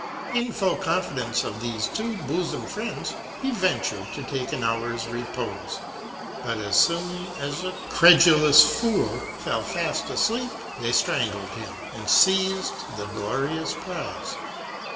In full confidence of thefe two bofom friends, he ventured to take an hour's repofe ; but as foon as the credulous fool fell fafl: aflcep, they flirangled him, and feized the glorious prize.